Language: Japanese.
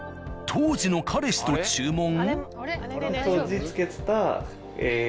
当時の彼氏と注文？